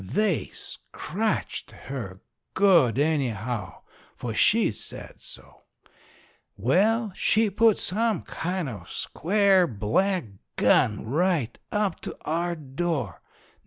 They scratched her good, anyhow; for she said so. Well, she put some kind of square black gun right up to our door.